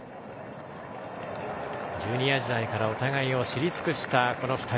ジュニア時代からお互いを知り尽くしたこの２人。